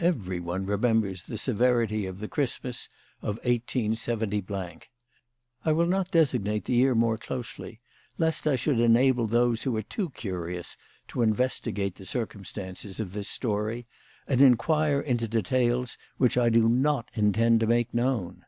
TTIVERYONE remembers the severity of the Christ ^ mas of 187 . I will not designate the year more closely, lest I should enable those who are too curious to investigate the circumstances of this story, and inquire into details which I do not intend to make known.